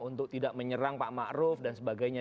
untuk tidak menyerang pak maruf dan sebagainya